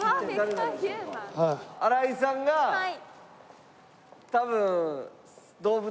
新井さんが多分。